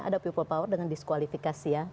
ada ppp dengan diskualifikasi ya